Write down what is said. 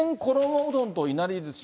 うどんといなりずし。